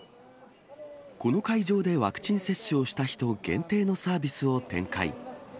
この会場でワクチン接種をした人限定のサービスを展開。